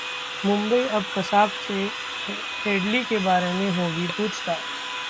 मुंबई: अब कसाब से हेडली के बारे में होगी पूछताछ